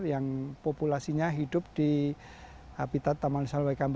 yang populasinya hidup di